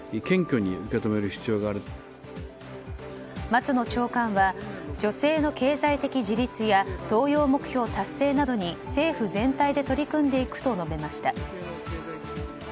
松野長官は女性の経済的自立や登用目標達成などに政府全体で取り組んでいくと述べました。